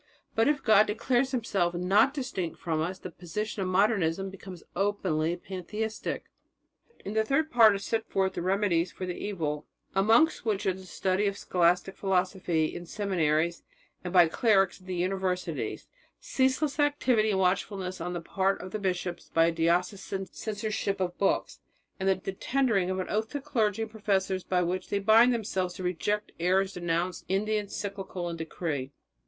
But if God declares Himself not distinct from us, the position of Modernism becomes openly pantheistic." In the third part are set forth the remedies for the evil, amongst which are the study of scholastic philosophy in seminaries and by clerics at the universities; ceaseless activity and watchfulness on the part of the bishops by a diocesan censorship of books, and the tendering of an oath to clergy and professors by which they were to bind themselves to reject the errors denounced in the encyclical and decree.